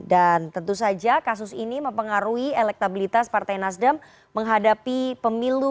dan tentu saja kasus ini mempengaruhi elektabilitas partai nasdem menghadapi pemilu